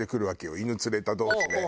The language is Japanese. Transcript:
犬連れた同士で。